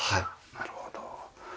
なるほど。